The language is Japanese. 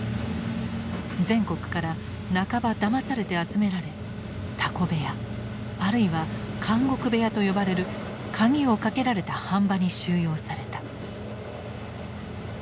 全国から半ばだまされて集められ「タコ部屋」あるいは「監獄部屋」と呼ばれる鍵をかけられた飯場に収容された。